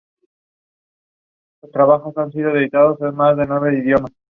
Fue director del Centro Cultural Inca Garcilaso del Ministerio de Relaciones Exteriores del Perú.